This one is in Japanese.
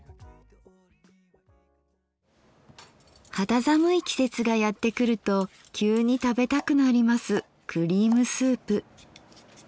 肌寒い季節がやって来ると急に食べたくなりますクリームスープ。